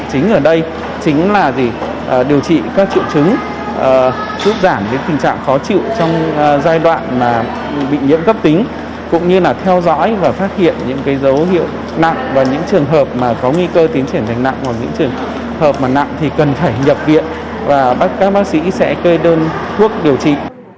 chính ở đây chính là điều trị các triệu chứng giúp giảm những tình trạng khó chịu trong giai đoạn bị nhiễm cấp tính cũng như là theo dõi và phát hiện những dấu hiệu nặng và những trường hợp có nguy cơ tiến triển thành nặng và những trường hợp nặng thì cần phải nhập viện và các bác sĩ sẽ kê đơn thuốc điều trị